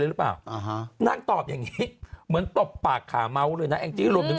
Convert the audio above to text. รวมถึงตบปากหล่อน